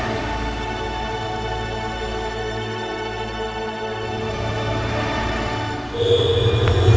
jangan pak landung